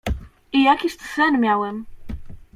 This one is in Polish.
"I jakiż to sen miałem?"